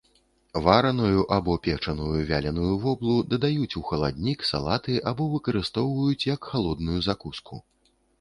Вараную або печаную вяленую воблу дадаюць у халаднік, салаты або выкарыстоўваюць як халодную закуску.